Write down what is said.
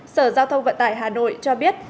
sở giao thông vận tải hà nội cho biết